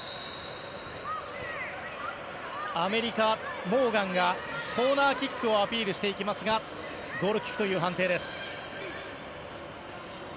アメリカ、モーガンがコーナーキックをアピールしていきますがゴールキックという判定です。